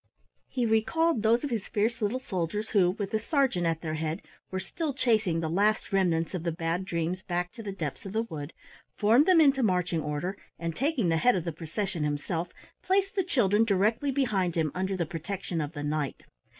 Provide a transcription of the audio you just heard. He recalled those of his fierce little soldiers who, with the sergeant at their head, were still chasing the last remnants of the Bad Dreams back to the depths of the wood, formed them into marching order, and taking the head of the procession himself, placed the children directly behind him under the protection of the Knight.